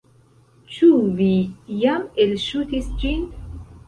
Ĉu vi jam elŝutis ĝin?